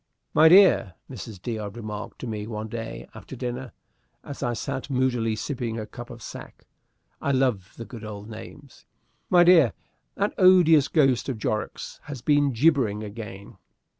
"My dear," Mrs. D'Odd remarked to me one day after dinner, as I sat moodily sipping a cup of sack I love the good old names "my dear, that odious ghost of Jorrocks' has been gibbering again."